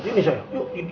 jangan lupa sama dia